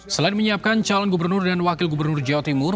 selain menyiapkan calon gubernur dan wakil gubernur jawa timur